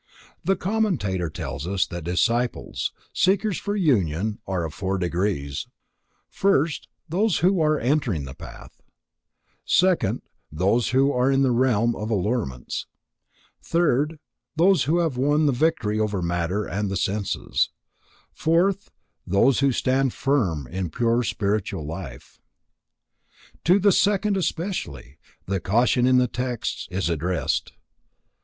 The commentator tells us that disciples, seekers for union, are of four degrees: first, those who are entering the path; second, those who are in the realm of allurements; third, those who have won the victory over matter and the senses; fourth, those who stand firm in pure spiritual life. To the second, especially, the caution in the text is addressed.